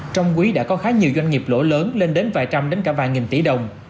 trong quý đã có khá nhiều doanh nghiệp lỗ lớn lên đến vài trăm đến cả vài nghìn tỷ đồng